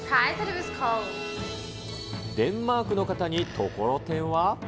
デンマークの方にところてんは。